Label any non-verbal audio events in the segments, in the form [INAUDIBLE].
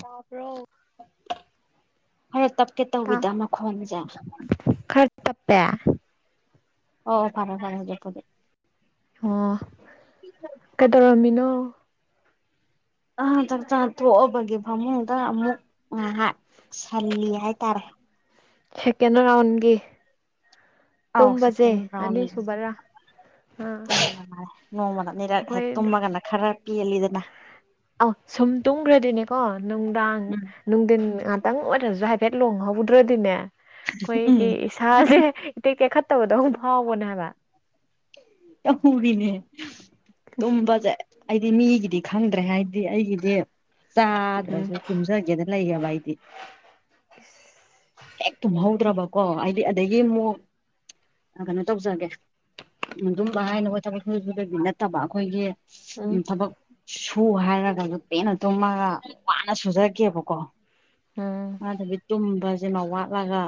ꯇꯥꯕ꯭ꯔꯣ ꯈꯔ ꯇꯞꯀꯦ ꯇꯧꯋꯤꯗ ꯃꯈꯣꯟꯁꯦ ꯈꯔ ꯇꯞꯄꯦ ꯑꯣ ꯐꯔꯦ ꯐꯔꯦ ꯍꯧꯖꯤꯛꯄꯨꯗꯤ ꯑꯣ [UNINTELLIGIBLE] ꯀꯩꯗꯧꯔꯝꯃꯤꯅꯣ ꯑ ꯆꯥꯛꯆꯥꯥ ꯇꯣꯛꯑꯕꯒꯤ ꯐꯃꯨꯡꯗ ꯑꯃꯨꯛ ꯉꯥꯏꯍꯥꯛ ꯁꯜꯂꯤ ꯍꯥꯏꯇꯥꯔꯦ ꯁꯦꯀꯦꯟ ꯔꯥꯎꯟꯒꯤ ꯑꯧ ꯇꯨꯝꯕꯁꯦ ꯁꯦꯀꯦꯟ ꯔꯥꯎꯟ ꯑꯅꯤꯁꯨꯨꯕꯔꯥ ꯑꯥ ꯃꯥꯜꯂꯦ ꯅꯣꯡꯃꯗ ꯑꯅꯤꯔꯛ ꯍꯦꯛ ꯑꯩꯈꯣꯏ ꯇꯨꯝꯃꯒꯅ ꯈꯔ ꯄꯦꯜꯂꯤꯗꯅ ꯑꯧ ꯁꯨꯝ ꯇꯨꯝꯈ꯭ꯔꯗꯤꯅꯦꯀꯣ ꯅꯨꯡꯗꯥꯡ ꯎꯝ ꯅꯨꯡꯊꯤꯟ ꯉꯥꯛꯇꯪ ꯑꯣꯏꯔꯁꯨ ꯍꯥꯏꯐꯦꯠ ꯂꯣꯡꯍꯧꯗ꯭ꯔꯗꯤꯅꯦ ꯎꯝ ꯑꯩꯈꯣꯏꯒꯤ ꯏꯁꯥꯁꯦ ꯏꯇꯦꯛ ꯇꯦꯛꯈꯠꯇꯕꯗꯧ ꯐꯥꯎꯕꯅꯦ ꯍꯥꯏꯕ [INAUDIBLE] ꯄꯨꯨꯔꯤꯅꯦ ꯇꯨꯝꯕꯁꯦ ꯑꯩꯗꯤ ꯃꯤꯒꯤꯗꯤ ꯈꯪꯗ꯭ꯔꯦ ꯍꯥꯏꯗꯤ ꯑꯩꯒꯤꯗꯤ ꯎꯝ ꯆꯥꯗ꯭ꯔꯁꯨ ꯇꯨꯝꯖꯒꯦꯗꯅ ꯂꯩꯌꯦꯕ ꯑꯩꯗꯤ ꯍꯦꯛ ꯇꯨꯝꯍꯧꯗ꯭ꯔꯕꯀꯣ ꯑꯩꯗꯤ ꯑꯗꯒꯤ ꯑꯃꯨꯛ ꯑ ꯀꯩꯅꯣ ꯇꯧꯖꯒꯦ ꯑꯗꯨꯝꯕ ꯍꯥꯏꯅꯕ ꯊꯕꯛ ꯁꯨꯔꯤꯁꯤꯡꯗꯒꯤ ꯅꯠꯇꯕ ꯑꯩꯈꯣꯏꯒꯤ ꯎꯝ [INAUDIBLE] ꯊꯕꯛ ꯁꯨ ꯍꯥꯏꯔꯒꯁꯨ ꯄꯦꯟꯅ ꯇꯨꯝꯃꯒ ꯋꯥꯅ ꯁꯨꯖꯒꯦꯕꯀꯣ ꯎꯝ [INAUDIBLE] ꯇꯨꯝꯕ ꯁꯤꯃ ꯋꯥꯠꯂꯒ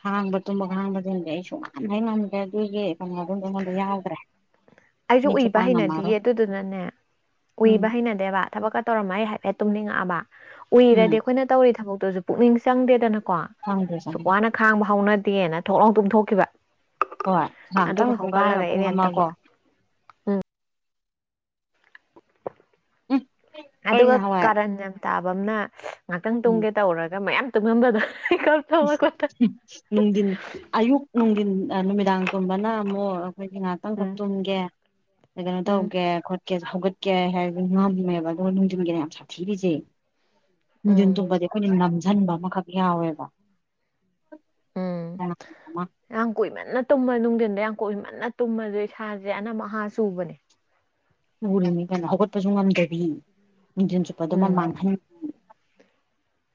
ꯈꯥꯡꯕ ꯇꯨꯝꯕꯒ ꯈꯥꯡꯕ ꯇꯝꯗꯤ ꯑꯩ ꯁꯨꯝ [INAUDIBLE] ꯀꯩꯅꯣ ꯑꯗꯨꯝꯗꯤ ꯑꯩꯉꯣꯟꯗ ꯌꯥꯎꯗ꯭ꯔꯦ ꯑꯩꯁꯨ ꯃꯤꯠꯁꯦ ꯎꯏꯕ ꯄꯥꯡ ꯉꯝꯃꯔꯣꯏ ꯍꯩꯅꯗꯤꯌꯦ ꯑꯗꯨꯗꯨꯅꯅꯦ ꯎꯝ ꯎꯏꯕ ꯍꯩꯅꯗꯤ ꯗꯕ ꯊꯕꯛꯀ ꯇꯔꯝ ꯍꯥꯏꯐꯦꯠ ꯇꯨꯝꯅꯤꯡꯉꯛꯑꯕ ꯎꯝ ꯎꯏꯔꯗꯤ ꯑꯩꯈꯣꯏꯅ ꯇꯧꯔꯤ ꯊꯕꯛꯇꯨꯁꯨ ꯄꯨꯛꯅꯤꯡ ꯆꯪꯗꯦꯗꯅꯀꯣ ꯆꯪꯗꯦ ꯁꯨꯛ ꯆꯪꯗꯦ ꯋꯥꯅ ꯈꯥꯡꯕ ꯍꯧꯅꯗꯦꯅ ꯊꯣꯛꯂꯥꯎ ꯇꯨꯝꯊꯣꯛꯈꯤꯕ ꯍꯣꯏ ꯑꯇꯪ ꯑꯗꯨꯒ ꯄꯨꯡꯈꯥꯏ ꯑꯃ ꯍꯧꯒꯠꯂꯒ ꯄꯨꯡ ꯏꯔꯦꯟ ꯑꯃ ꯇꯧꯕ ꯀꯣ ꯎꯝ ꯑꯩ ꯑꯗꯨꯒ ꯅꯍꯥꯟꯋꯥꯏ ꯀꯥꯔꯟ ꯌꯥꯝ ꯇꯥꯕ ꯑꯃꯅ ꯉꯍꯥꯛꯇꯪ ꯎꯝ ꯇꯨꯝꯒꯦ ꯇꯧꯔꯒ ꯃꯌꯥꯝ ꯇꯨꯡꯉꯝꯕꯗꯣ [INAUDIBLE] ꯅꯨꯡꯊꯤꯟ ꯑꯌꯨꯛ ꯅꯨꯡꯊꯤꯟ ꯅꯨꯃꯤꯗꯥꯡ ꯇꯨꯝꯕꯅ ꯑꯃꯨꯛ ꯑꯩꯈꯣꯏꯒꯤ ꯉꯍꯥꯛ ꯇꯪꯈꯛ ꯎꯝ ꯇꯨꯝꯒꯦ ꯀꯩꯅꯣ ꯎꯝ ꯇꯧꯒꯦ ꯈꯣꯠꯀꯦ ꯍꯧꯒꯠꯀꯦ ꯍꯥꯏꯕꯗ ꯉꯝꯃꯦꯕ ꯑꯗꯨꯒ ꯅꯨꯡꯊꯤꯟꯒꯤꯅ ꯌꯥꯝ ꯁꯥꯊꯤꯔꯤꯁꯦ ꯅꯨꯡꯊꯤꯟ ꯎꯝ ꯇꯨꯝꯕꯗꯤ ꯑꯩꯈꯣꯏꯗ ꯅꯝꯁꯤꯟꯕ ꯑꯃꯈꯛ ꯌꯥꯎꯋꯦꯕ ꯎꯝ ꯇꯣꯉꯥꯟꯕ ꯑꯃ ꯌꯥꯝ ꯀꯨꯏꯃꯟꯅꯥ ꯇꯨꯝ ꯃꯅꯨꯡꯗꯅ° ꯌꯥꯝ ꯀꯨꯏꯃꯟꯅ ꯃꯟꯅ ꯇꯨꯝꯃꯁꯨ ꯏꯁꯥꯁꯦ ꯑꯅ ꯃꯍꯥ ꯆꯨꯕꯅꯦ ꯎꯔꯤꯅꯤ ꯀꯩꯅꯣ ꯍꯧꯒꯠꯄꯁꯨ ꯉꯝꯗꯕꯤ ꯅꯨꯡꯊꯨꯟ ꯆꯨꯞꯄꯗꯣ ꯃꯥ ꯎꯝ ꯃꯥꯡꯍꯟꯕꯤ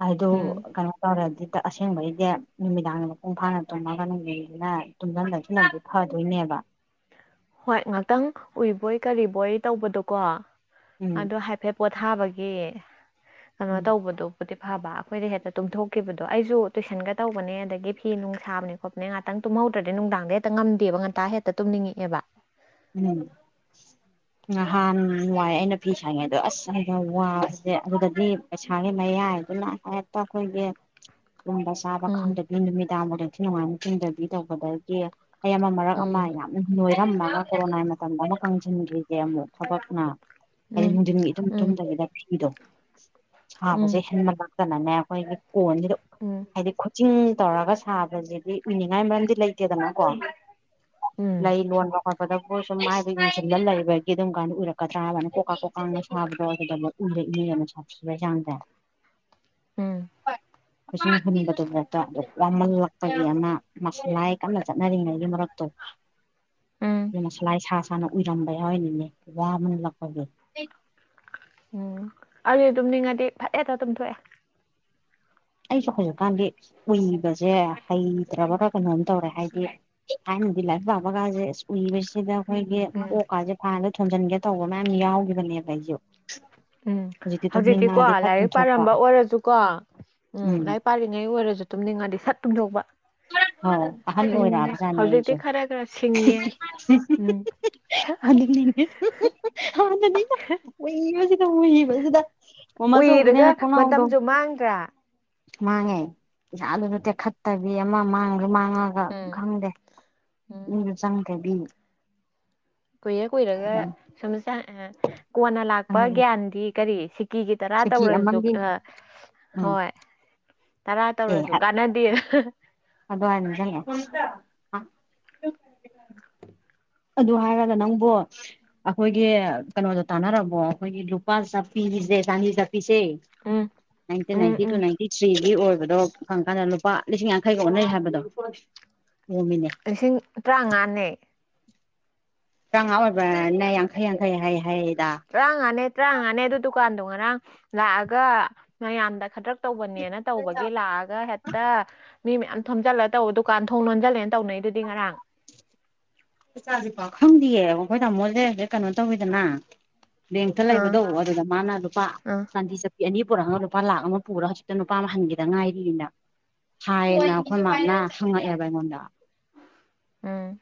ꯑꯗꫭ ꯎꯝ [INAUDIBLE] ꯇꯧꯔꯗꯤ ꯑꯁꯦꯡꯕꯩꯗꯤ ꯅꯨꯃꯤꯗꯥꯡꯗ ꯃꯄꯨꯡ ꯐꯥꯅ ꯇꯨꯝꯃꯒ ꯅꯨꯡꯁꯤꯅ ꯇꯨꯝꯁꯤꯟꯗꯁꯤ ꯐꯗꯣꯏꯅꯦꯕꯥ ꯍꯣꯏ ꯉꯥꯛꯇꯪ ꯎꯏꯕꯣꯏ ꯀꯔꯤꯕꯣꯏ ꯇꯧꯕꯗꯣꯀꯣ ꯎꯝ ꯑꯗꯣ ꯍꯥꯏ ꯐꯦꯠ ꯄꯣꯊꯥꯕꯒꯤ ꯀꯩꯅꯣ ꯎꯝ ꯇꯧꯕꯗꯣ ꯕꯗꯤ ꯐꯕ ꯑꯩꯈꯣꯏꯗꯤ ꯍꯦꯛꯇ ꯇꯨꯝꯊꯣꯛꯈꯤꯕꯗꯣ ꯑꯩꯁꯨ ꯇꯨꯏꯁꯟꯒ ꯇꯧꯕꯅꯦ ꯑꯗꯒꯤ ꯐꯤ ꯅꯨꯡ ꯁꯥꯕꯅꯦ ꯈꫭꯠꯄꯅꯦ ꯉꯍꯥꯛꯇꯪ ꯇꯨꯝꯍꯧꯗ꯭ꯔꯗꯤ ꯅꯨꯡꯗꯥꯡꯗ ꯍꯦꯛꯇ ꯉꯝꯗꯦꯕ ꯉꯟꯇ ꯍꯦꯛꯇ ꯇꯨꯝꯅꯤꯡꯉꯑꯦꯕ ꯎꯝ ꯅꯍꯥꯟ ꯋꯥꯏ ꯑꯩꯅ ꯐꯤ ꯁꯥꯔꯤꯉꯩꯗꯣ ꯑꯁ ꯑꯗ ꯋꯥꯕꯁꯦ ꯑꯗꯨꯗꯗꯤ ꯄꯩꯁꯥꯒꯤ ꯃꯌꯥꯏꯗꯨꯅ ꯍꯦꯛꯇ ꯑꯩꯈꯣꯏꯒꯤ ꯇꯨꯝꯕꯥ ꯆꯥꯕ ꯎꯝ ꯈꯪꯗꯕꯤ ꯅꯨꯃꯤꯗꯥꯡ ꯐꯥꯎ ꯅꯤꯡꯊꯤ ꯅꯨꯡꯉꯥꯏꯅ ꯇꯨꯝꯗꯕꯤ ꯇꯧꯕꯗꯒꯤ ꯑꯩ ꯑꯃ ꯃꯔꯛ ꯑꯃ ꯎꯝ ꯌꯥꯝꯅ ꯅꯣꯏꯔꯝꯃꯒ ꯀꯣꯔꯣꯅꯥꯏ ꯃꯇꯝꯗ ꯑꯃꯨꯛ ꯀꯪꯁꯤꯟꯈ꯭ꯔꯤꯁꯦ ꯑꯃꯨꯛ ꯊꯕꯛꯅ ꯍꯥꯏꯗꯤ ꯎꯝ ꯅꯨꯡꯊꯤꯒꯥ ꯏꯇꯨꯝ ꯎꯝ ꯇꯨꯝꯗꯕꯤꯗ ꯐꯤꯗꫭ ꯁꯥꯕꯁꯦ ꯎꯝ ꯍꯦꯟꯕꯂꯥꯛꯛꯇꯅꯅꯦ ꯑꯩꯈꯣꯏꯒꯤ ꯀꯣꯟꯁꯤꯗ ꯎꯝ ꯍꯥꯏꯗꯤ ꯈꯨꯠ ꯆꯤꯡ ꯇꯧꯔꯒ ꯁꯥꯕꯁꯤꯗꯤ ꯎꯏꯅꯤꯡꯉꯥꯏ ꯃꯔꯝꯗꯤ ꯂꯩꯇꯦꯗꯅꯀꯣ ꯎꯝ ꯂꯩ ꯂꫭꯟꯕꯥ ꯈꯣꯠꯄꯗꯕꯨꯣꯏ ꯁꯨꯝ ꯃꯥꯏꯗ ꯌꯦꯡꯁꯤꯜꯂ ꯂꯩꯕꯒꯤ ꯑꯗꯨꯝ ꯀꯥꯏꯅ ꯎꯔꯛꯀꯗ꯭ꯔꯥ ꯍꯥꯏꯕꯩ ꯌꯥꯅꯤ ꯀꯣꯀꯥ ꯀꯣꯛꯀꯥꯅ ꯁꯥꯕꯗꯣ ꯑꯗꯨꯗꯐꯥꯎ ꯎꯔꯛꯏꯅ°ꯕꯥ ꯁꯥꯊꯤꯕꯩ ꯆꯥꯡꯁ° ꯎꯝ [INAUDIBLE] ꯍꯨꯟꯕꯗꯨ ꯐꯥꯎꯇ ꯋꯥꯝꯃꯜꯂꯛ ꯇꯅ° ꯃꯁꯂꯥꯏ ꯀꯟꯅ ꯆꯠꯅꯔꯤꯉꯩꯒꯤ ꯃꯔꯛꯇꯣ ꯎꯝ [INAUDIBLE] ꯃꯁꯂꯥꯏ ꯁꯥ ꯁꯅ ꯎꯔꯝꯕ ꯀꯥ ꯌꯥꯎꯔꯤꯅꯤꯅ° ꯋꯥꯕ ꯍ°ꯜꯔꯛꯄꯒꯤ ꯎꯝ ꯑꯩꯗꯤ ꯇꯨꯝꯅꯤꯡꯉꯗꯤ ꯐꯠ ꯍ°ꯛꯇꯥ ꯇꯨꯝ ꯊꯣꯛꯑꯦ ꯑꯩꯁꯨ ꯍꯧꯖꯤꯛꯀꯥꯟꯗꯤ ꯎꯏꯕꯁꯦ ꯍꯩꯇ꯭ꯔꯕꯒ ꯀꯩꯅꯣꯝ ꯇꯧꯔꯦ ꯍꯥꯏꯗꯤ ꯊꯥꯏꯅꯗꯤ ꯔꯥꯏꯔꯤꯛ ꯄꯥꯕꯒꯁꯤ ꯑꯨꯏꯕꯁꯤꯗ ꯃꫭꯏꯒꯤ ꯎꯝ ꯃꯀꯣꯛꯀꯥꯁꯦ ꯍꯥꯟꯗ ꯊꯣꯟꯖꯤꯟꯒꯦ ꯇꯧꯕ ꯃꯌꯥꯝ ꯌꯥꯎꯒꯤꯈꯤꯕꯅꯦꯕ ꯑꯩꯁꯨ ꯎꯝ ꯍꯧꯖꯤꯛꯇꯤ ꯍꯧꯖꯤꯛꯇꯤꯀꯣ ꯇꯨꯝꯅꯤꯡꯉꯛꯑꯗꯤ ꯐꯠ ꯂꯥꯏꯔꯤꯛ ꯇꯨꯝꯊꯣꯛꯄ ꯄꯥꯔꯝꯕ ꯑꯣꯏꯔꯁꯨꯀꯣ ꯎꯝ ꯂꯥꯏꯔꯤꯛ ꯄꯥꯔꯤꯉꯩ ꯑꯣꯏꯔꯁꯨ ꯇꯨꯝꯅꯤꯡꯉꯗꯤ ꯁꯠ ꯇꯨꯝꯊꯣꯛꯄ ꯍꯥꯎ ꯑꯍꯟ ꯁꯤꯡꯉꯦ ꯑꫭꯏꯔꯛꯑꯕ ꯖꯥꯠꯅꯤ ꯍꯧꯖꯤꯛꯇꯤ ꯑꯩꯁꯨ ꯈꯔ ꯈꯔ ꯁꯤꯡꯉꯦ ꯎꯝ [UNINTELLIGIBLE] [INAUDIBLE] ꯎꯏꯔꯒ ꯃꯥꯃꯥꯆꯧꯕꯤꯅꯥ ꯊꫭꯡꯅꯥꯎꯗꫭ ꯃꯇꯝꯁꯨ ꯃꯥꯡꯗ꯭ꯔꯥ ꯃꯥꯡꯉꯦ ꯏꯁꯥ ꯑꯗꯨꯁꯨ ꯇꯦꯛꯈꯠꯇꯕꯤ ꯑꯃ ꯃꯥꯡꯒꯔ꯭ ꯃꯥꯡꯉꯛ ꯈ ꯎꯝ ꯈꯪꯗꯦ ꯎꯝ ꯃꯤꯗꯣ ꯆꯪꯗ꯭ꯔꯦꯕꯤ__ ꯀꯨꯏꯔ ꯀꯨꯏꯔꯒ ꯁꯨꯝ ꯁ ꯑ ꯀꯣꯟꯅ ꯂꯥꯛꯄ ꯈꯪꯉꯛꯑꯦ ꯒ꯭ꯌꯥꯟꯗꯤ ꯀꯔꯤ ꯁꯤ __ ꯀꯤꯒꯤ ꯇꯔꯥ ꯁꯤꯀꯤ ꯇꯧꯔꯖꯨ ꯑꯃꯒꯤ ꯑꯥ ꯎꯝ ꯍꯣꯏ__ ꯇꯔꯥ ꯑꯦ ꯇꯧꯔꯖꯨ ꯀꯥꯟꯅꯗꯦ__ ꯑꯗꯨ ꯍꯥꯏꯔ ꯅꯤꯡꯁꯤꯡꯉꯛꯑꯦ __ ꯑꯗꯨ ꯍꯥꯏꯔꯒ ꯅꯪꯕꯣ __ ꯑꯈꯣꯏꯒꯤ ꯀꯩꯅꯣꯗꯣ ꯇꯥꯟꯅꯔꯕꯣ ꯑꯩꯈꯣꯏꯒꯤ ꯂꯨꯄꯥ ꯆꯞꯄꯤꯒꯤꯖꯦ ꯆꯥꯟꯗꯤ ꯆꯞꯄꯤꯁꯦ __ ꯎꯝ ꯅꯥꯏꯟꯇꯤꯟ ꯎꯝ ꯅꯥꯏꯇꯤ ꯎꯝ ꯇꯨ ꯅꯥꯏꯟꯇꯤ ꯊ꯭ꯔꯤꯒꯤ ꯑꯣꯏꯕꯗꯣ ꯐꯪꯀꯥꯟꯗ ꯂꯨꯄꯥ ꯂꯤꯁꯤꯡ ꯌꯥꯡꯈꯩꯒ ꯑꯣꯟꯅꯩ ꯍꯥꯏꯕꯗꯣ__ ꯑꯣꯝꯃꯤꯅꯦ __ ꯂꯤꯁꯤꯡ ꯇꯔ꯭ꯥꯉꯥꯅꯦ__ ꯇꯔ꯭ꯥꯉꯥ ꯑꯣꯏꯕꯔ꯭ꯅꯦ ꯌꯥꯡꯈꯩ ꯌꯥꯡꯈꯩ ꯍꯥꯏ ꯍꯥꯏꯌꯦꯗ__ ꯇꯔ꯭ꯉꯥꯅꯦ ꯇꯔ꯭ꯥꯉꯥꯅꯦ ꯑꯗꯨ ꯗꯨꯀꯥꯟꯗꯣ ꯉꯔꯥꯡ ꯂꯥꯛꯑꯒ ꯃꯌꯥꯝꯗ ꯈꯗꯔ꯭ꯛ__ ꯇꯧꯕꯅꯦꯅ ꯇꯧꯕꯒꯤ ꯂꯥꯛꯑꯒ ꯍꯦꯠꯇ__ ꯃꯤ ꯃꯌꯥꯝ ꯊꯣꯝꯖꯤꯜꯂ ꯇꯧ ꯗꯨꯀꯥꯟ ꯊꯣꯡ ꯂꯣꯟꯖꯜꯂꯦꯅ ꯇꯧꯅꯩꯗꯨꯗꯤ ꯉꯔꯥꯡ__ ꯃꯆꯥ ꯅꯨꯄꯥ ꯈꯪꯗꯤꯌꯦ ꯑꯩꯈꯣꯏ ꯇꯥꯃꯣꯖꯦ ꯍꯧꯖꯤꯛ ꯀꯩꯅꯣ ꯇꯧꯏꯗꯅ__ ꯕꯦꯡꯠ ꯇ ꯑꯥ ꯂꯩꯕꯗꯣ ꯑꯗꯨꯗ ꯃꯥꯅ ꯂꯨꯄꯥ ꯑꯥ ꯆꯥꯟꯗꯤ ꯆꯞ __ ꯑꯅꯤ ꯄꯨꯔꯛꯑꯒ ꯂꯨꯄꯥ ꯂꯥꯛ ꯑꯃ ꯄꯨꯔꯒ ꯍꯧꯖꯤꯛꯇ ꯅꯨꯄꯥ ꯑꯃ ꯍꯟꯒꯗ ꯉꯥꯏꯔꯤꯅ__ ꯍꯥꯏꯌꯦꯅ ꯑꯈꯣꯏ ꯃꯥꯅ ꯍꯪꯉꯛꯑꯦꯕ ꯑꯩꯉꯣꯟꯗ__ ꯎꯝ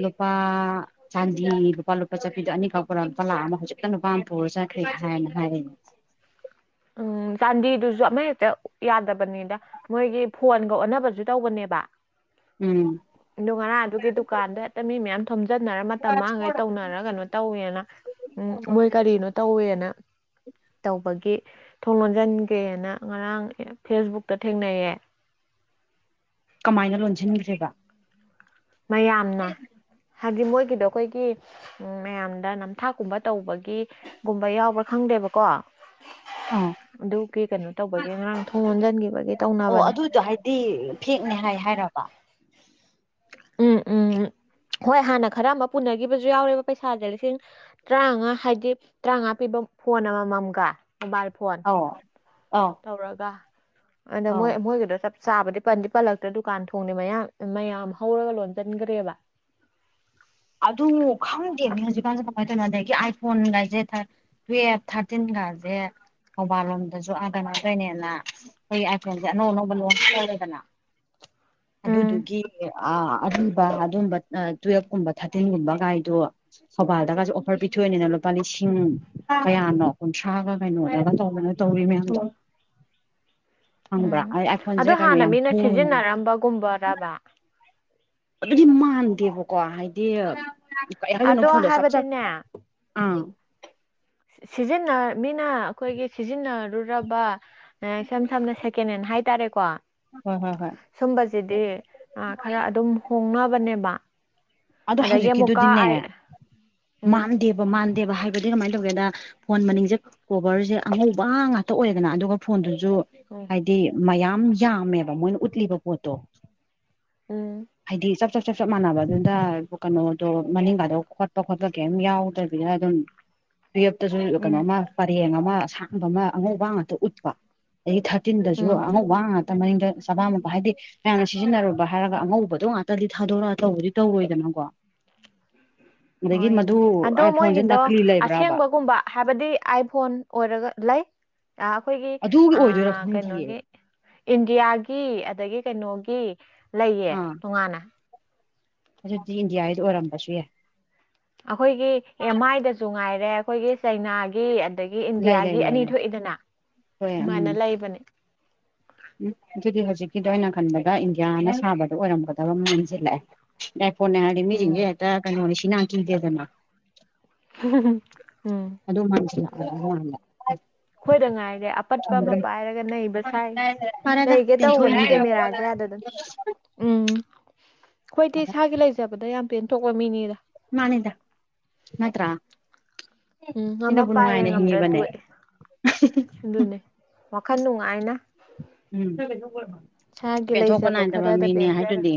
ꯅꯨꯄꯥ ꯆꯥꯟꯗꯤ ꯂꯨꯄꯥ ꯂꯨꯄꯥ ꯆꯠꯄꯤꯗꯣ ꯑꯅꯤꯈꯛ ꯂꯨꯄꯥ ꯂꯥꯛꯑ ꯑꯃ ꯍꯧꯖꯤꯛꯇ ꯅꯨꯄꯥ ꯑꯝ ꯄꯨꯔ ꯆꯠꯈ꯭ꯔꯦ ꯍꯥꯏꯅ ꯍꯥꯏꯌꯦꯌꯦ __ ꯎꯝ ꯆꯥꯟꯗꯤꯗꯨꯖꯨ ꯑꯃ ꯍꯦꯛꯇ ꯌꯥꯗꯕꯅꯤꯗ__ ꯃꯣꯏꯒꯤ ꯐꯣꯟꯒ ꯑꯣꯟꯅꯕꯖꯨ ꯇꯧꯕꯅꯦꯕ__ ꯎꯝ ꯑꯗꯣ ꯉꯔꯥꯡ ꯑꯗꯨꯒꯤ ꯗꯨꯀꯥꯟꯗ ꯍꯦꯛꯇ ꯃꯤ ꯃꯌꯥꯝ ꯊꯣꯝꯖꯤꯟꯅꯔ ꯃꯇꯝ ꯃꯥꯡꯒꯩ ꯇꯧꯅꯔ ꯀꯩꯅꯣ ꯇꯧꯋꯦꯅ__ ꯎꯝ ꯃꯣꯏ ꯀꯔꯤꯅꯣ ꯇꯧꯋꯦꯅ ꯇꯧꯕꯒꯤ__ ꯊꯣꯡ ꯂꯣꯟꯖꯟꯒꯔ꯭ꯦꯅ ꯉꯔꯥꯡ ꯐꯦꯁꯕꯨꯛꯇ ꯊꯦꯡꯅꯩꯌꯦ__ ꯀꯃꯥꯏꯅ ꯂꯣꯟꯖꯤꯟꯈ꯭ꯔꯤꯕ __ ꯃꯌꯥꯝꯅ ꯍꯥꯏꯕꯗꯤ ꯃꯣꯏꯒꯤꯗꯣ ꯑꯩꯈꯣꯏꯒꯤ__ ꯎꯝ ꯃꯌꯥꯝꯗ ꯅꯝꯊꯥꯛꯀꯨꯝꯕ ꯇꯧꯕꯒꯤꯒꯨꯝꯕ ꯌꯥꯎꯕ꯭ꯔ ꯈꯪꯗꯦꯕꯀꯣ__ ꯑ ꯑꯗꯨꯒꯤ ꯀꯩꯅꯣ ꯇꯧꯕꯒꯤ ꯉꯔꯥꯡ ꯊꯣꯡ ꯂꯣꯟꯖꯟꯒꯤꯕꯒꯤ ꯇꯧꯅꯕꯅꯤ __ ꯗꯤ ꯐꯦꯛꯅꯦ ꯍꯥꯏ ꯍꯥꯏꯔꯕ__ ꯎꯝ ꯎꯝ [INAUDIBLE] ꯍꯣꯏ ꯍꯥꯟꯅ ꯈꯔ ꯑꯃ ꯄꯨꯅꯒꯤꯕꯖꯨ ꯌꯥꯎꯔꯦꯕ ꯄꯩꯁꯥꯖꯦ ꯂꯤꯁꯤꯡ__ ꯇꯔ꯭ꯥꯉꯥ ꯍꯥꯏꯗꯤ ꯇꯔ꯭ꯥꯉꯥ ꯄꯤꯕ ꯐꯣꯟ ꯑꯃꯃꯝꯒ ꯃꯣꯕꯥꯏꯜ ꯐꯣꯟ__ ꯑꯧ ꯑ__ ꯇꯧꯔꯒ ꯑꯗ ꯃꯣꯏ ꯃꯣꯏꯒꯤꯗꯣ ꯆꯞ__ ꯆꯥꯕꯗꯤ ꯄꯟꯗꯤ ꯄꯜꯂꯛꯇ꯭ꯔꯦ ꯗꯨꯀꯥꯟ ꯊꯣꯡꯗꯤ ꯃꯌꯥꯡ ꯃꯌꯥꯝ ꯍꯧꯔꯒ ꯂꯣꯟꯖꯟꯈꯒꯔ꯭ꯦꯕ__ ꯑꯗꯨ ꯈꯪꯗꯦꯃꯦ ꯍꯧꯖꯤꯛꯀꯥꯟꯖꯦ ꯀꯃꯥꯏ ꯇꯧꯏꯅꯣ ꯑꯗꯒꯤ ꯑꯥꯏꯐꯣꯟ ꯒꯥꯏꯖꯦ ꯊꯔ __ ꯇꯨꯌꯦꯞ ꯊꯔꯇꯤꯟꯒꯥꯖꯦ __ ꯊꯧꯕꯥꯜ ꯂꯣꯝꯗꯖꯨ ꯑꯥ ꯀꯩꯅꯣ ꯇꯧꯏꯅꯦꯅ ꯈꯣꯏꯒꯤ ꯑꯥꯏꯐꯣꯟꯖꯦ ꯑꯅꯧ ꯑꯅꯧꯕ ꯂꯣꯟꯆ ꯇꯧꯔꯦꯗꯅ__ ꯎꯝ ꯑꯗꯨꯗꯨꯒꯤ ꯑꯥ ꯑꯔꯤꯕ ꯑꯗꯨꯝꯕ ꯑꯥ ꯇꯨꯌꯦꯜꯞꯀꯨꯝꯕ__ ꯊꯔꯇꯤꯟꯒꯨꯝꯕ ꯀꯥꯏꯗꯨ __ ꯊꯧꯕꯥꯜꯗꯒꯁꯨ ꯑꯣꯐꯔ ꯄꯤꯊꯣꯛꯑꯅꯤꯅ ꯂꯨꯄꯥ ꯂꯤꯁꯤꯡ ꯀꯌꯥꯅꯣ ꯀꯨꯟꯊ꯭ꯔꯥꯒ ꯀꯩꯅꯣꯗꯒ ꯇꯧꯕꯅꯦ ꯇꯧꯔꯤ [UNINTELLIGIBLE] ꯈꯪꯕ꯭ꯔꯥ ꯑꯥꯏ ꯑꯩꯈꯣꯟꯁꯦ ꯀꯩꯅꯣ ꯌꯥꯝ ꯍꯣꯡꯉꯕ [UNINTELLIGIBLE] ꯔꯥꯝꯕꯒꯨꯝꯕ ꯔꯥꯕ ꯑꯗꯨꯗꯤ ꯃꯥꯟꯗꯦ ꯍꯥꯏꯕ ꯍꯥꯏꯗꯤ ꯀꯩ ꯍꯥꯏꯗꯣꯏꯅꯣ ꯑꯗꯣ ꯐꯣꯟꯗꯣ ꯆꯞ ꯆꯞ ꯍꯥꯏꯕꯗꯤꯅꯦ ꯑꯥ ꯁꯤꯖꯤꯟꯅ ꯃꯤꯅ ꯑꯩꯈꯣꯏꯒꯤ ꯁꯤꯖꯤꯟꯅꯔꯨꯔꯕ ꯏꯁꯝ ꯁꯝꯅ ꯁꯦꯀꯦꯟ ꯍꯦꯟ ꯍꯥꯏꯇꯥꯔꯦꯀꯣ ꯍꯣꯏ ꯍꯣꯏ ꯍꯣꯏ ꯁꯨꯝꯕꯁꯤꯗꯤ ꯑ ꯈꯔ ꯑꯗꯨꯝ ꯍꯣꯡꯅꯕꯅꯦꯕ ꯑꯗꯣ ꯑꯗꯒꯤ ꯑꯃꯨꯛꯀ ꯍꯧꯖꯤꯛꯀꯤꯗꯨꯗꯤꯅꯦ ꯑꯥꯏ ꯎꯝ ꯃꯥꯟꯗꯦꯕ ꯑꯗꯣ ꯃꯥꯟꯗꯦꯕ ꯍꯥꯏꯕꯗꯤ ꯀꯃꯥꯏꯅ ꯇꯧꯒꯦꯗ ꯐꯣꯟ ꯃꯅꯤꯡꯁꯦ ꯀꯣꯕꯔꯁꯦ ꯑꯉꯧꯕ ꯉꯥꯛꯇ ꯑꯣꯏ ꯗꯅ ꯑꯗꯨꯒ ꯐꯣꯟꯗꯨꯁꯨ [UNINTELLIGIBLE] ꯗꯤ ꯃꯌꯥꯝ ꯌꯥꯝꯃꯦꯕ ꯃꯣꯏꯅ ꯎꯠꯂꯤꯕ ꯄꯣꯠꯇꯣ ꯎꯝ ꯍꯥꯏꯗꯤ ꯆꯞ ꯆꯞ ꯆꯞ ꯆꯞ ꯃꯥꯟꯅꯕꯗꯨꯗ ꯀꯩꯅꯣꯗꯣ ꯃꯅꯤꯡꯡꯒꯥꯗꯣ ꯈꯣꯠꯄ ꯈꯣꯠꯄ ꯀꯩꯝ ꯌꯥꯎꯗꯦ ꯕꯤꯗ ꯑꯗꯨꯝ ꯇꯨꯌꯦꯞꯇꯁꯨ ꯎꯝ ꯀꯩꯅꯣꯃ ꯄꯔꯦꯡ ꯑꯃ ꯑꯁꯥꯡꯕ ꯑꯃ ꯑꯉꯧꯕ ꯉꯥꯛꯇ ꯎꯠꯄ ꯑꯗꯒꯤ ꯊꯥꯔꯇꯤꯟꯗꯁꯨ ꯎꯝ ꯑꯉꯧꯕ ꯉꯥꯛꯇ ꯃꯅꯤꯡꯗ [UNINTELLIGIBLE] ꯍꯥꯏꯗꯤ ꯃꯌꯥꯝꯅ ꯁꯤꯖꯤꯟꯅꯔꯨꯕ ꯍꯥꯏꯔꯒ ꯎꯝ ꯑꯉꯧꯕ ꯑꯗꯣ ꯉꯥꯛꯇꯗꯤ ꯊꯥꯗꯣꯔꯛꯑꯒ ꯇꯧꯕꯗꯤ ꯇꯧꯔꯣꯏꯗꯅꯀꯣ ꯑꯗꯒꯤ ꯃꯗꯨ ꯍꯣꯏꯅꯦ ꯑꯗꯣ ꯑꯥꯏꯐꯣꯟꯁꯦ ꯃꯣꯏꯒꯤꯗꯣ ꯅꯀꯂꯤ ꯂꯩꯕ꯭ꯔꯕ ꯑꯁꯦꯡꯕꯒꯨꯝꯕ ꯍꯥꯏꯕꯗꯤ ꯑꯥꯏꯐꯣꯟ ꯑꯣꯏꯔꯒ ꯂꯩ ꯑ ꯑꯩꯈꯣꯏꯒꯤ ꯑꯗꯨꯒꯤ ꯑ ꯑꯣꯏꯗꯣꯏꯔꯥ ꯈꯪꯗꯤꯌꯦ ꯀꯩꯅꯣꯒꯤ ꯏꯟꯗꯤꯌꯥꯒꯤ ꯑꯗꯒꯤ ꯀꯩꯅꯣꯒꯤ ꯂꯩꯌꯦ ꯑꯥ ꯇꯣꯉꯥꯟꯅ ꯑꯗꯨꯗꯤ ꯏꯟꯗꯤꯌꯥꯒꯤꯗꯣ ꯑꯣꯏꯔꯝꯕꯁꯨ ꯌꯥꯏ ꯑꯩꯈꯣꯏꯒꯤ ꯑꯦꯝ ꯑꯥꯏꯗꯁꯨ ꯉꯥꯏꯔꯦ ꯑꯩꯈꯣꯏꯒꯤ ꯆꯩꯅꯥꯒꯤ ꯑꯗꯒꯤ ꯂꯩ ꯂꯩ ꯏꯟꯗꯤꯌꯥꯒꯤ ꯂꯩ ꯑꯅꯤ ꯂꯩ ꯊꯣꯛꯏꯗꯅ ꯍꯣꯏ ꯎꯝ ꯑꯗꯨꯃꯥꯏꯅ ꯂꯩꯕꯅꯦ ꯎꯝ ꯑꯗꯨꯗꯤ ꯍꯧꯖꯤꯛꯀꯤꯗꯣ ꯑꯩꯅ ꯈꯟꯕꯒ ꯏꯟꯗꯤꯌꯥꯅ ꯁꯥꯕꯗꯣ ꯑꯣꯏꯔꯝꯒꯗꯕ ꯃꯥꯟꯁꯤꯜꯂꯛꯑꯦ ꯑꯥꯏ ꯐꯣꯟꯅꯦ ꯍꯥꯏꯗꯤ ꯎꯝ ꯃꯤꯁꯤꯡꯁꯦ ꯍꯦꯛꯇ ꯀꯩꯅꯣꯅꯤ ꯁꯤꯅꯥ ꯀꯤꯗꯦꯗꯅ ꯎꯝ ꯑꯗꯨ ꯃꯥꯟꯁꯤꯜꯂꯛ ꯍꯥꯏꯕ ꯋꯥꯅꯤꯗ ꯑꯩꯈꯣꯏꯗ ꯉꯥꯏꯔꯦ ꯑꯄꯠꯄ ꯑꯃ ꯄꯥꯏꯔꯒ ꯅꯩꯕ ꯁꯥꯏꯁꯦ ꯐꯔꯦꯗ ꯅꯩꯒꯦ ꯇꯧꯕꯅꯦ ꯄꯦꯟꯊꯣꯛꯏꯗꯨꯗꯤ ꯀꯦꯃꯦꯔꯥꯁꯦ ꯌꯥꯗꯗꯅ [INAUDIBLE] ꯎꯝ ꯑꯩꯈꯣꯏꯗꯤ ꯏꯁꯥꯒꯤ ꯂꯩꯖꯕꯗ ꯌꯥꯝ ꯄꯦꯟꯊꯣꯛꯄ ꯃꯤꯅꯤꯗ ꯃꯥꯅꯤꯗ ꯅꯠꯇ꯭ꯔꯥ ꯎꯝ ꯉꯝꯃ ꯁꯤꯅꯕꯨ ꯄꯥꯏꯔꯦ ꯅꯨꯡꯉꯥꯏꯅ ꯉꯝꯗ꯭ꯔ ꯍꯤꯡꯉꯤꯕꯅꯦ ꯇꯣꯛꯑꯦ ꯑꯗꯨꯅꯦ ꯋꯥꯈꯜ ꯅꯨꯡꯉꯥꯏꯅ ꯎꯝ ꯏꯁꯥꯒꯤ ꯄꯦꯟꯊꯣꯛꯄ ꯂꯩꯖꯕ ꯅꯥꯏꯗꯕ ꯈꯔꯗ ꯃꯤꯅꯦ ꯄꯦꯟꯖꯔ ꯍꯥꯏꯗꯨꯗꯤ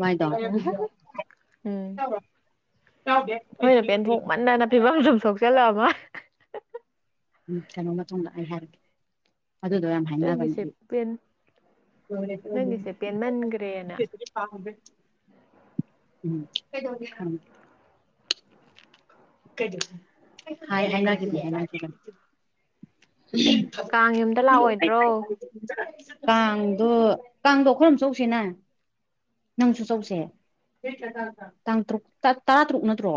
ꯃꯥꯏꯗꯣ ꯎꯝ ꯎꯝ ꯌꯥꯎꯗꯦ ꯑꯩꯈꯣꯏꯅ ꯄꯦꯟꯊꯣꯛ ꯃꯟꯗꯅ ꯐꯤꯕꯝ ꯁꯨꯝ ꯁꯣꯛꯆꯤꯜꯂꯛꯑꯕ ꯎꯝ ꯀꯩꯅꯣ ꯃꯇꯨꯡꯗ ꯑꯩ ꯍꯥꯏꯔꯛꯀꯦ ꯑꯗꯨꯗꯣ ꯌꯥꯝ ꯍꯥꯏꯅꯕꯅꯦ ꯅꯪꯒꯤꯁꯦ ꯄꯦꯟ ꯅꯪꯒꯤꯁꯦ ꯄꯦꯟꯃꯟꯈ꯭ꯔꯦꯅ ꯑꯩ [UNINTELLIGIBLE] [UNINTELLIGIBLE] ꯍꯥꯏ ꯍꯥꯏꯅꯒꯤꯕꯅꯤ [UNINTELLIGIBLE] ꯀꯥꯡ ꯌꯨꯝꯗ ꯂꯥꯛꯑꯣꯏꯗ꯭ꯔꯣ ꯀꯥꯡꯗꯣ ꯀꯥꯡꯗꯣ ꯑꯈꯣꯏꯔꯣꯝ ꯆꯠꯂꯨꯁꯤꯅ ꯅꯪꯁꯨ ꯆꯧꯁꯦ ꯇꯥꯡ ꯇ꯭ꯔꯣꯛ ꯇꯔꯥ ꯇꯔꯨꯛ ꯅꯠꯇ꯭ꯔꯣ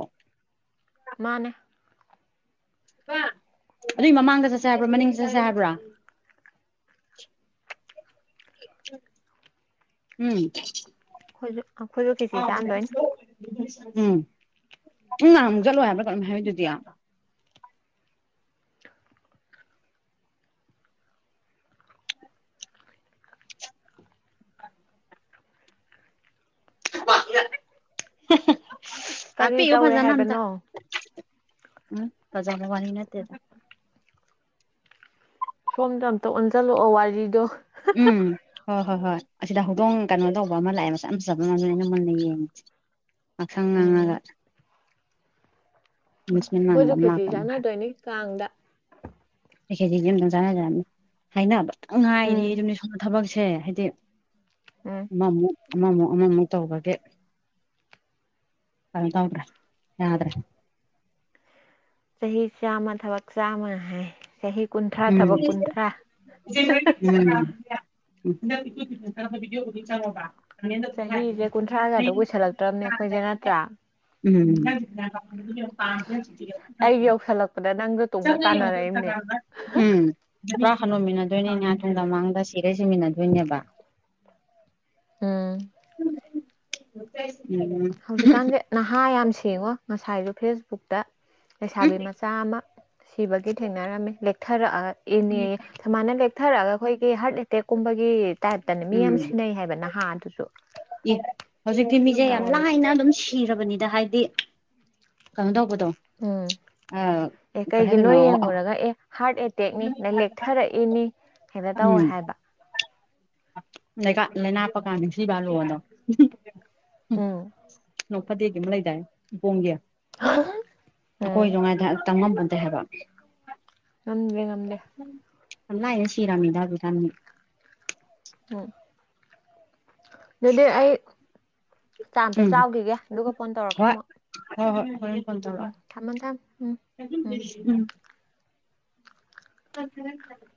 ꯃꯥꯅꯦ ꯑꯗꯨꯒꯤ ꯃꯃꯥꯡꯗ ꯆꯠꯁꯦ ꯍꯥꯏꯕ꯭ꯔꯣ ꯃꯅꯤꯡꯗ ꯆꯠꯁꯦ ꯍꯥꯏꯕ꯭ꯔꯣ ꯎꯝ ꯑꯩꯈꯣꯏꯁꯨ ꯑꯩꯈꯣꯏꯁꯨ ꯈꯦꯆꯤ ꯆꯥꯥꯟꯗꯣꯏꯅꯤ ꯎꯝ ꯎꯝ ꯅꯍꯥꯟꯃꯨꯛ ꯆꯠꯂꯣꯏ ꯍꯥꯏꯕ꯭ꯔꯥ ꯀꯩꯅꯣꯝ ꯍꯥꯏꯗꯨꯗꯤ ꯀꯔꯤ ꯇꯥꯛꯄꯤꯌꯨ ꯇꯧꯔꯦ ꯐꯖꯥꯅ ꯑꯝꯇ ꯍꯥꯏꯕꯅꯣ ꯎꯝ ꯐꯖꯕ ꯋꯥꯔꯤ ꯅꯠꯇꯦꯗ ꯁꯣꯝꯗ ꯑꯝꯇ ꯑꯣꯟꯁꯤꯜꯂꯛꯑꯣ ꯋꯥꯔꯤꯗꯣ ꯎꯝ ꯍꯣꯏ ꯍꯣꯏ ꯍꯣꯏ ꯑꯁꯤꯗ ꯍꯧꯗꯣꯡ ꯀꯩꯅꯣ ꯇꯧꯕ ꯑꯃ ꯂꯥꯛꯑꯦ ꯃꯁꯥꯛ ꯌꯥꯝ ꯆꯥꯝꯕ ꯑꯃ ꯑꯃꯗꯨꯅꯦ ꯑꯩꯅ ꯃꯨꯟꯅ ꯌꯦꯡꯉꯤꯁꯦ ꯉꯥꯡꯁꯪ ꯎꯝ ꯉꯥꯡꯉꯥꯒ ꯑꯩꯈꯣꯏꯁꯨ ꯃꯥꯟꯕ ꯑꯃ ꯂꯥꯛꯄ ꯈꯦꯆꯤ ꯑꯃ ꯈꯔ ꯆꯥꯟꯅꯗꯣꯏꯅꯤ ꯀꯥꯡꯗ ꯈꯦꯆꯤꯁꯤ ꯑꯝꯇꯪ ꯆꯥꯟꯅꯖꯤ ꯍꯥꯢꯕꯅꯤ ꯍꯥꯏꯅꯕꯇꯪ ꯉꯥꯏꯔꯦ ꯎꯝ ꯑꯗꯨꯝꯗꯤ ꯁꯣꯝꯗ ꯊꯕꯛꯁꯦ ꯍꯥꯏꯗꯤ ꯎꯝ ꯑꯃꯃꯨꯛ ꯑꯃꯃꯨꯛ ꯑꯃꯃꯨꯛ ꯇꯧꯕꯒꯤ ꯀꯦꯝ ꯇꯧꯗ꯭ꯔꯦ ꯌꯥꯗ꯭ꯔꯦ ꯆꯍꯤ ꯆꯥꯝꯃ ꯊꯕꯛ ꯆꯥꯝꯃ ꯍꯥꯏ ꯆꯍꯤ ꯀꯨꯟꯊ꯭ꯔꯥ ꯊꯕꯛ ꯀꯨꯟꯊ꯭ꯔꯥ ꯎꯝ ꯎꯝ ꯕꯑꯝ [UNINTELLIGIBLE] [UNINTELLIGIBLE] ꯆꯍꯤꯁꯦ [UNINTELLIGIBLE] ꯀꯨꯟꯊ꯭ꯔꯥꯒꯗꯣ ꯆꯪꯉꯣꯕ ꯀꯨꯏꯁꯜꯂꯛꯇ꯭ꯔꯕꯅꯦ ꯑꯩꯈꯣꯏꯁꯦ ꯅꯠꯇ꯭ꯔꯥ [UNINTELLIGIBLE] ꯎꯝ ꯑꯗꯥꯥ ꯅꯪꯒ ꯇꯨꯡꯗ ꯆꯪꯉꯦ ꯇꯥꯟꯅꯔꯛꯏꯕꯅꯦ [UNINTELLIGIBLE] ꯎꯝ ꯃꯥ ꯍꯟꯅꯨꯃꯤꯟꯅꯗꯣꯏꯅꯤꯅꯦ ꯇꯨꯡꯗꯥ ꯃꯥꯡꯗ ꯁꯤꯔ ꯁꯤꯃꯤꯟꯅꯗꯣꯏꯅꯦꯕ ꯎꯝ ꯎꯝ ꯍꯧꯖꯤꯛꯀꯥꯟꯁꯦ ꯅꯍꯥ ꯌꯥꯝ ꯁꯦꯡꯉꯣ ꯉꯁꯥꯏꯁꯨ ꯐꯦꯁꯕꯨꯛꯇ ꯂꯩꯁꯥꯕꯤ ꯃꯆꯥ ꯑꯃ ꯁꯤꯕꯒꯤ ꯊꯦꯡꯅꯔꯝꯃꯤ ꯂꯦꯛꯊꯔꯛꯑꯒ ꯏꯅꯦ ꯁꯨꯃꯥꯏꯅ ꯂꯦꯛꯊꯔꯛꯑꯒ ꯑꯩꯈꯣꯏꯒꯤ ꯍꯥꯔꯠ ꯇꯦꯛꯀꯨꯝꯕꯒꯤ ꯇꯥꯏꯞꯇꯅꯦ ꯃꯤ ꯌꯥꯝ ꯎꯝ ꯁꯤꯟꯅꯩ ꯍꯥꯏꯕ ꯅꯍꯥ ꯑꯗꯨꯁꯨ ꯍꯧꯖꯤꯛꯇꯤ ꯃꯤꯁꯦ ꯌꯥꯝ ꯇꯧꯔꯤꯁꯦ ꯂꯥꯏꯅ ꯑꯗꯨꯝ ꯁꯤꯔꯕꯅꯤꯗ ꯍꯥꯏꯗꯤ ꯀꯩꯅꯣ ꯇꯧꯕꯗꯣ ꯎꯝ ꯑꯦ ꯀꯩ ꯀꯩꯒꯤꯅꯣ ꯍꯥꯏꯗꯣꯏꯅꯣ ꯌꯦꯡꯉꯨꯔꯒ ꯑꯦ ꯍꯥꯔꯠ ꯑꯦꯇꯦꯛꯅꯤ ꯑꯥ ꯂꯦꯛꯊꯔꯛꯏꯅꯤ ꯍꯦꯛꯇ ꯎꯝ ꯇꯧꯋꯦ ꯍꯥꯏꯕ ꯂꯩꯅꯥ ꯄꯥꯛꯀꯥꯟꯗ ꯁꯤꯕꯥ [UNINTELLIGIBLE] ꯎꯝ [UNINTELLIGIBLE] ꯅꯣꯛ ꯐꯗꯦꯀꯤ ꯑꯃ ꯂꯩꯗꯥꯏꯅꯦ ꯏꯄꯣꯝꯒꯤ ꯎꯝ ꯑꯩꯈꯣꯏꯁꯨ ꯉꯥꯏꯗ ꯇꯝ ꯉꯝꯕ ꯅꯠꯇꯦ ꯍꯥꯏꯕ ꯉꯝꯗꯦ ꯉꯝꯗꯦ ꯌꯥꯝ ꯂꯥꯢꯅ ꯁꯤꯔꯝꯅꯤꯗ ꯍꯧꯖꯤꯛꯒꯥꯟꯗꯤ ꯎꯝ ꯑꯗꯨꯗꯤ ꯑꯩ ꯆꯥꯛ ꯑꯝꯇ ꯎꯝ ꯆꯥꯎꯈꯤꯒꯦ ꯑꯗꯨꯒ ꯐꯣꯟ ꯇꯧꯔꯛꯀꯦ ꯍꯣꯏ ꯑꯃꯨꯛ ꯍꯣꯏ ꯍꯣꯏ ꯍꯣꯔꯦꯟ ꯐꯣꯟ ꯎꯝ ꯇꯧꯔꯛꯑꯣ ꯊꯝꯃꯣ ꯊꯝꯃꯣ ꯎꯝ ꯎꯝ ꯀ ꯆꯦ [UNINTELLIGIBLE] [UNINTELLIGIBLE]